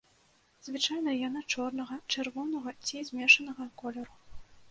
Звычайна яны чорнага, чырвонага ці змешанага колеру.